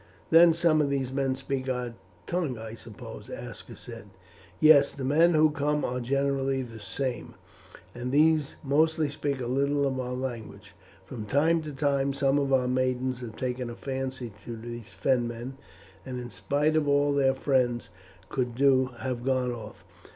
"Then some of these men speak our tongue, I suppose?" Aska said. "Yes, the men who come are generally the same, and these mostly speak a little of our language. From time to time some of our maidens have taken a fancy to these Fenmen, and in spite of all their friends could do have gone off.